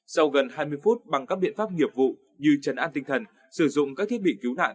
sau gần hai mươi phút bằng các biện pháp nghiệp vụ như chấn an tinh thần sử dụng các thiết bị cứu nạn